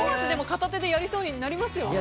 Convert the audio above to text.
片手でやりそうになりますね。